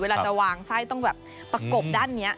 เวลาจะวางไส้ต้องแบบประกบด้านนี้